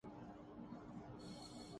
firing کر کے زاہد نامی شخص